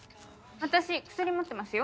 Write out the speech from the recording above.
私薬持ってますよ。